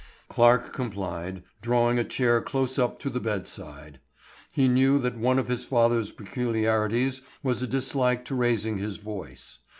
Clarke complied, drawing a chair close up to the bedside. He knew that one of his father's peculiarities was a dislike to raising his voice.